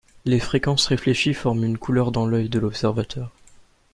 Les fréquences réfléchies forment une couleur dans l'œil de l'observateur.